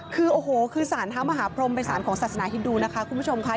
คือโอ้โหคือสารเท้ามหาพรมเป็นสารของศาสนาฮินดูนะคะคุณผู้ชมค่ะ